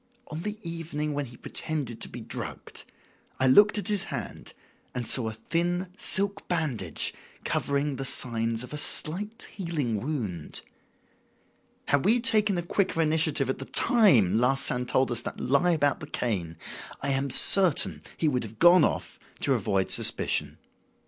On the evening when he pretended to be drugged I looked at his hand and saw a thin silk bandage covering the signs of a slight healing wound. Had we taken a quicker initiative at the time Larsan told us that lie about the cane, I am certain he would have gone off, to avoid suspicion.